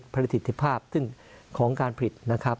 ผลิตภาพซึ่งของการผลิตนะครับ